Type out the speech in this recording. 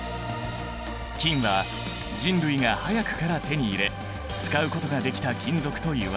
金は人類が早くから手に入れ使うことができた金属といわれている。